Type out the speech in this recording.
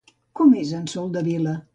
Com és en Soldevila?